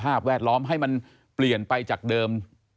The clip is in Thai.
แวดล้อมให้มันเปลี่ยนไปจากเดิม